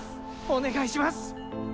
お願いします！